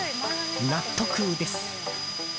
納得です。